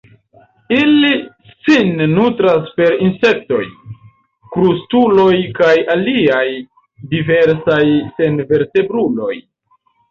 Ili sin nutras per insektoj, krustuloj kaj aliaj diversaj senvertebruloj.